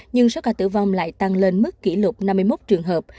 nhưng số ca tử vong lại tăng lên mức kỷ lục năm mươi một trường hợp